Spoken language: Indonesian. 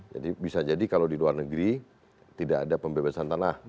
jadi bisa jadi kalau di luar negeri tidak ada pembebasan tanah